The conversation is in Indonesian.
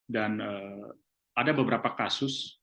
dan ada beberapa kasus